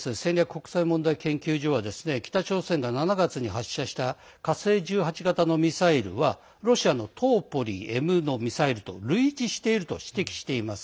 国際問題研究所は北朝鮮が７月に発射した火星１８型のミサイルはロシアの「トーポリＭ」のミサイルと類似していると指摘しています。